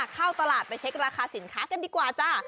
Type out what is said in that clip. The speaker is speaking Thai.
เข้าตลาดไปเช็คราคาสินค้ากันดีกว่าจ้า